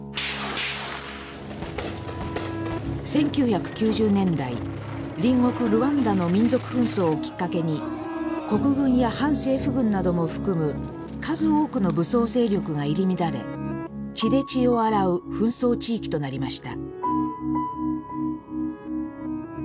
１９９０年代隣国ルワンダの民族紛争をきっかけに国軍や反政府軍なども含む数多くの武装勢力が入り乱れ血で血を洗う紛争地域となりました。